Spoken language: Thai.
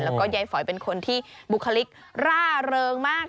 แล้วก็ยายฝอยเป็นคนที่บุคลิกร่าเริงมาก